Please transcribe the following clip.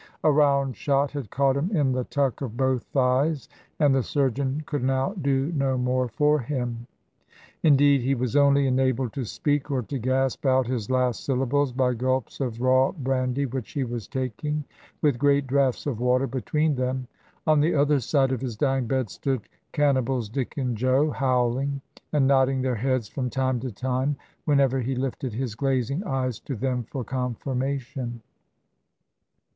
A round shot had caught him in the tuck of both thighs, and the surgeon could now do no more for him. Indeed he was only enabled to speak, or to gasp out his last syllables, by gulps of raw brandy which he was taking, with great draughts of water between them. On the other side of his dying bed stood Cannibals Dick and Joe, howling, and nodding their heads from time to time, whenever he lifted his glazing eyes to them for confirmation.